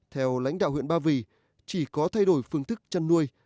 theo lãnh đạo huyện ba vì chỉ có thay đổi phương thức chăn nuôi